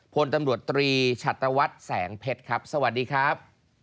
พลตำรวจตรีชัตรวัตรแสงเพชรครับสวัสดีครับ